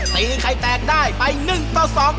ตีใครแตกได้ไป๑ตัว๒